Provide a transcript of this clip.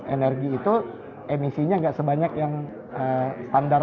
energi itu emisinya nggak sebanyak yang standar